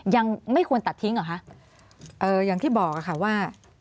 ยังไม่ควรตัดทิ้งเหรอคะเอ่ออย่างที่บอกค่ะว่า